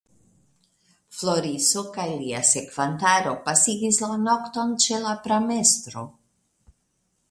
Floriso kaj lia sekvantaro pasigis la nokton ĉe la pramestro.